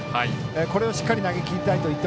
これをしっかり投げきりたいと。